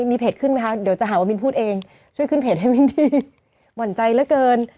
มีเพจขึ้นไหมคะเดี๋ยวจะหาว่ามินพูดเองช่วยขึ้นเพจให้มินดีหวั่นใจเหลือเกิน